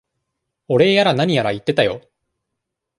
お礼やら何やら言ってたよ。